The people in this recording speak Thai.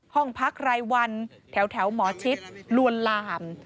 ห้องพักรายวันแถวหมอชิดลวนลาม